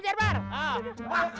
kadang kadang saya tidak mengerti